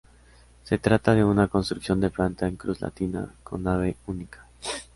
Se trata de una construcción de planta en cruz latina, con nave única.